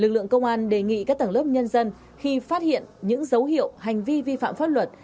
lực lượng công an đề nghị các tầng lớp nhân dân khi phát hiện những dấu hiệu hành vi vi phạm pháp luật